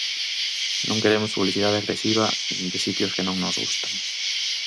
Non queremos publicidade agresiva nin de sitios que non nos gustan.